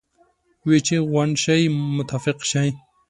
وې چې غونډ شئ متفق شئ.